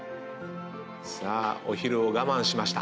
さあお昼を我慢しました。